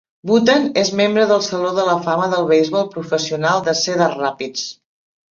Wooten és membre del saló de la fama del beisbol professional de Cedar Rapids.